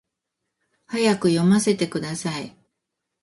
早く読ませてください